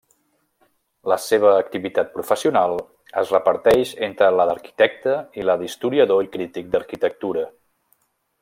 La seva activitat professional es reparteix entre la d'arquitecte i la d'historiador i crític d'arquitectura.